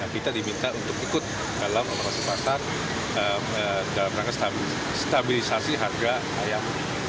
kita diminta untuk ikut dalam operasi pasar dalam rangka stabilisasi harga ayam